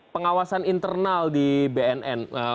pengawasan internal di bnn